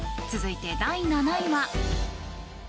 続いて、第７位は。